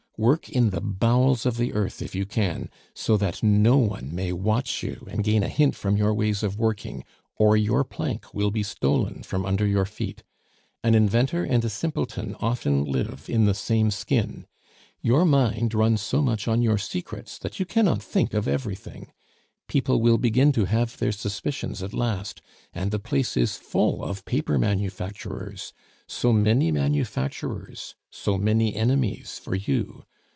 Work in the bowels of the earth if you can, so that no one may watch you and gain a hint from your ways of working, or your plank will be stolen from under your feet. An inventor and a simpleton often live in the same skin. Your mind runs so much on your secrets that you cannot think of everything. People will begin to have their suspicions at last, and the place is full of paper manufacturers. So many manufacturers, so many enemies for you!